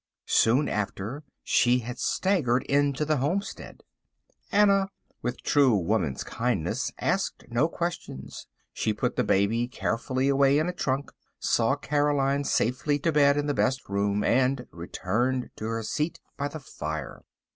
Soon after she had staggered into the homestead. Anna, with true woman's kindness, asked no questions. She put the baby carefully away in a trunk, saw Caroline safely to bed in the best room, and returned to her seat by the fire.